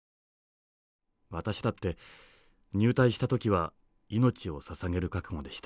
私だって入隊した時は命を捧げる覚悟でした。